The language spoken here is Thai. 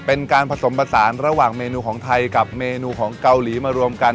เป็นการผสมผสานระหว่างเมนูของไทยกับเมนูของเกาหลีมารวมกัน